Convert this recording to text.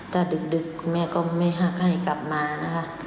ถ้าดึกคุณแม่ก็ไม่หักให้กลับมานะคะ